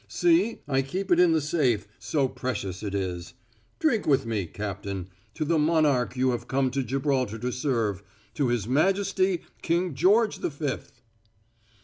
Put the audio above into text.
"See, I keep it in the safe, so precious it is. Drink with me, Captain, to the monarch you have come to Gibraltar to serve to his majesty, King George the Fifth!"